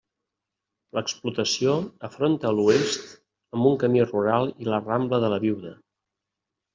L'explotació afronta a l'oest amb un camí rural i la rambla de la Viuda.